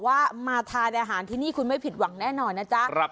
ว่ามาทานอาหารที่นี่คุณไม่ผิดหวังแน่นอนนะจ๊ะ